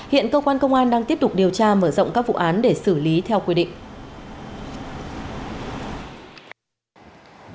hiện cơ quan công an đang tiếp tục điều tra mở rộng các vụ án để xử lý theo quy định